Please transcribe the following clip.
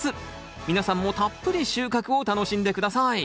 皆さんもたっぷり収穫を楽しんで下さい。